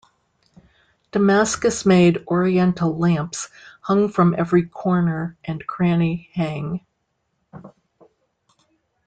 Damascus-made Oriental lamps hung from every corner and cranny hang.